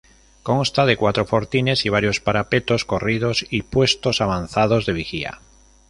Consta de cuatro fortines y varios parapetos corridos y puestos avanzados de vigía.